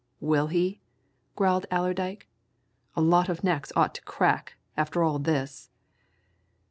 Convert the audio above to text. "Will he?" growled Allerdyke. "A lot of necks ought to crack, after all this!"